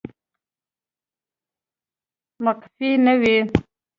مقفي نه وي